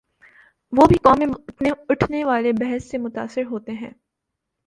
وہ بھی قوم میں اٹھنے والی بحث سے متاثر ہوتے ہیں۔